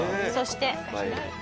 そして。